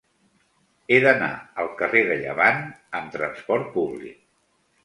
He d'anar al carrer de Llevant amb trasport públic.